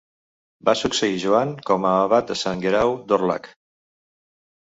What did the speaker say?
Va succeir Joan com a abat de Sant Guerau d'Orlhac.